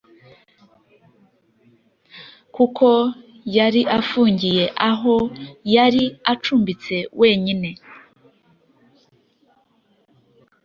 kuko yari afungiye aho yari acumbitse wenyine